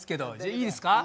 いいですか？